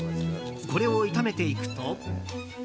これを炒めていくと。